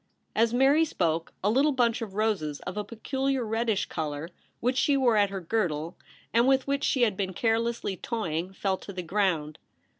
As Mary spoke, a little bunch of roses of a peculiar reddish colour which she wore at her girdle, and with which she had been care lessly toying, fell to the ground.